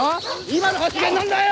今の発言何だよ！